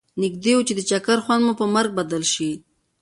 نږدي و چې د چکر خوند مو پر مرګ بدل شي.